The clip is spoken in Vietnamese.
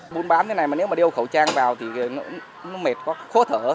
bốn bán thế này mà nếu mà đeo khẩu trang vào thì nó mệt quá khó thở